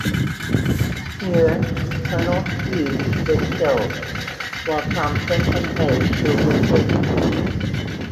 Here Colonel Hughes was killed, while Thompson and Hays were wounded.